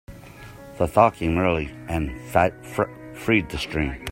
The thaw came early and freed the stream.